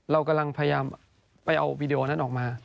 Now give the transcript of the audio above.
เรากำลังพยายามไปเอาวีดีโอนั้นออกมา